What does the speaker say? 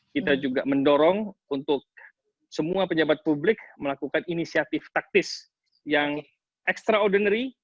kita juga mendorong untuk semua pejabat publik melakukan inisiatif taktis yang extraordinary